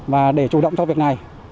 và để chủ động cho việc này